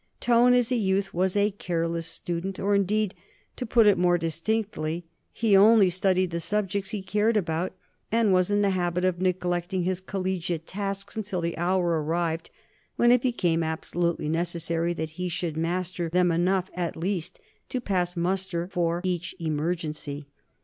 Tone, as a youth, was a careless student, or, indeed, to put it more distinctly, he only studied the subjects he cared about and was in the habit of neglecting his collegiate tasks until the hour arrived when it became absolutely necessary that he should master them enough at least to pass muster for each emergency.